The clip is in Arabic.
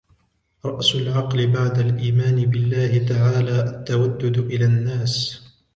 رَأْسُ الْعَقْلِ بَعْدَ الْإِيمَانِ بِاَللَّهِ تَعَالَى التَّوَدُّدُ إلَى النَّاسِ